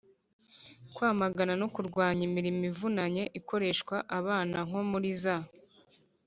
kwamagana no kurwanya imirimo ivunanye ikoreshwa abana nko muri za